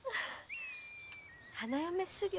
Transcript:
花嫁修業。